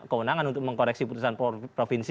kewenangan untuk mengkoreksi putusan provinsi